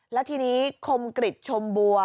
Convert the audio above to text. แล้วทีนี้คมกริจชมบัว